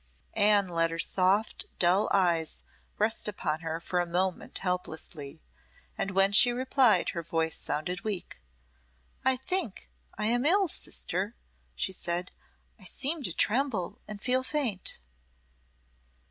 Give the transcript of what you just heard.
Anne let her soft, dull eyes rest upon her for a moment helplessly, and when she replied her voice sounded weak. "I think I am ill, sister," she said. "I seem to tremble and feel faint."